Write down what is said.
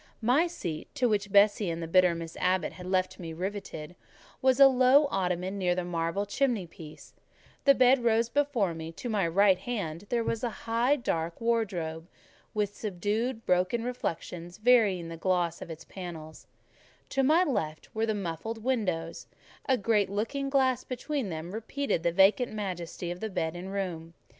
My seat, to which Bessie and the bitter Miss Abbot had left me riveted, was a low ottoman near the marble chimney piece; the bed rose before me; to my right hand there was the high, dark wardrobe, with subdued, broken reflections varying the gloss of its panels; to my left were the muffled windows; a great looking glass between them repeated the vacant majesty of the bed and room.